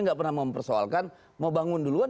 nggak pernah mempersoalkan mau bangun duluan